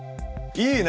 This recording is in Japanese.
いいね！